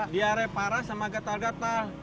diare parah sama gatal gatal